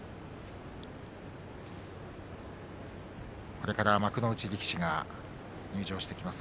これから幕内力士が入場してきます。